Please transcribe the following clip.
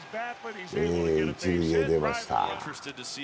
一塁へ出ました。